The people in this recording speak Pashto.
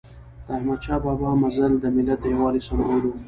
د احمد شاه بابا مزل د ملت د یووالي سمبول و.